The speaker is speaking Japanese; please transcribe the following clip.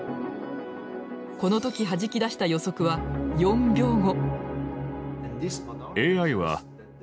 この時はじき出した予測は４秒後。